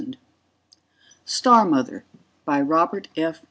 net STAR MOTHER By ROBERT F.